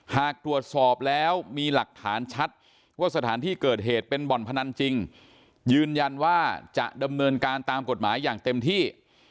หากตรวจสอบแล้วมีหลักฐานชัดว่าสถานที่เกิดเหตุเป็นบ่อนพนันจริงยืนยันว่าจะดำเนินการตามกฎหมายอย่างเต็มที่